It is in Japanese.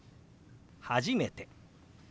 「初めて」。